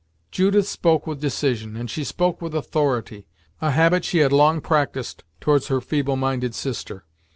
Judith spoke with decision, and she spoke with authority, a habit she had long practised towards her feeble minded sister.